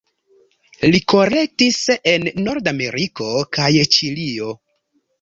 Li kolektis en Nordameriko kaj Ĉilio.